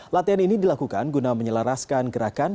latihan ini dilakukan guna menyelaraskan gerakan